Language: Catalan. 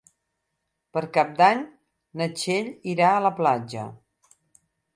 Per Cap d'Any na Txell irà a la platja.